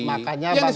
makanya bang kudaryu